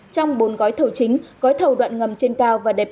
trong bốn gói thầu chính gói thầu đoạn ngầm trên cao và đẹp